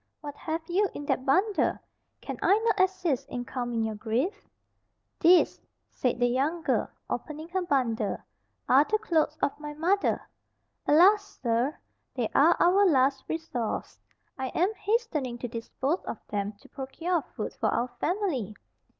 "What have you in that bundle? Can I not assist in calming your grief?" "These," said the young girl, opening her bundle, "are the clothes of my mother: alas, sir, they are our last resource. I am hastening to dispose[Pg 57] of them to procure food for our family.